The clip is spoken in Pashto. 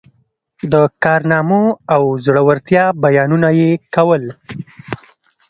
د کارنامو او زړه ورتیا بیانونه یې کول.